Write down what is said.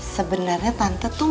sebenarnya tante tuh